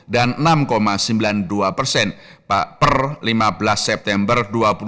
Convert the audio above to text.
dan enam sembilan puluh dua persen per lima belas september dua ribu dua puluh